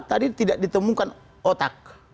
tadi tidak ditemukan otak